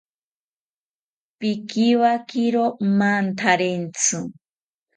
Pikiwakiro mantarentzi